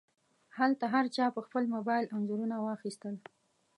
هلته هر چا په خپل موبایل انځورونه واخیستل.